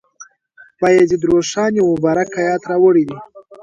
بایزید روښان یو مبارک آیت راوړی دی.